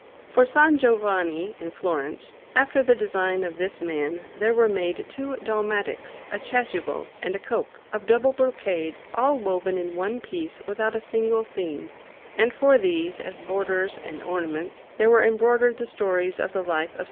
For S. Giovanni in Florence, after the design of this man, there were made two dalmatics, a chasuble, and a cope, of double brocade, all woven in one piece without a single seam; and for these, as borders and ornaments, there were embroidered the stories of the life of S.